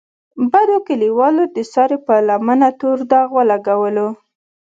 بدو کلیوالو د سارې په لمنه تور داغ ولګولو.